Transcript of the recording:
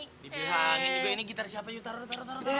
dibilangin juga ini gitar siapa taro taro taro